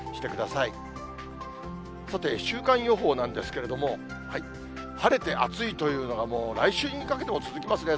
さて、週間予報なんですけれども、晴れて暑いというのが、もう来週にかけても続きますね。